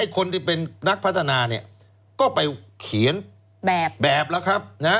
คนที่เป็นนักพัฒนาก็ไปเขียนแบบนะครับ